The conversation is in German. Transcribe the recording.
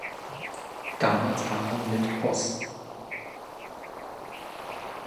Damals waren mit poss.